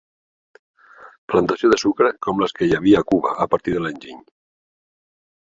Plantació de sucre com les que hi havia a Cuba a partir de l'enginy.